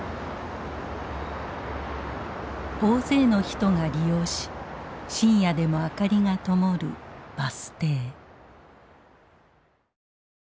大勢の人が利用し深夜でも明かりがともるバス停。